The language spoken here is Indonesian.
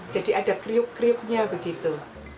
jadi ada kriuk kriuknya begitu